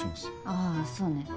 あそうね。